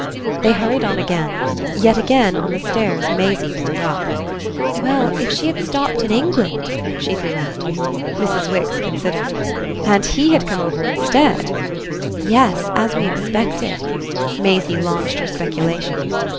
They hurried on again; yet again, on the stairs, Maisie pulled up. "Well, if she had stopped in England !" she threw out. Mrs. Wix considered. "And he had come over instead?" "Yes, as we expected." Maisie launched her speculation.